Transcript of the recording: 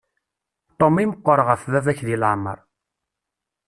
Tom i meqqer ɣef baba-k deg leεmer.